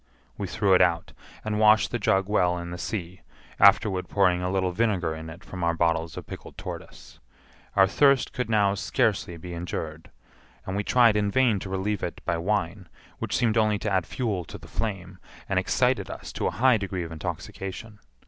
We threw it out, and washed the jug well in the sea, afterward pouring a little vinegar in it from our bottles of pickled tortoise. Our thirst could now scarcely be endured, and we tried in vain to relieve it by wine, which seemed only to add fuel to the flame, and excited us to a high degree of intoxication.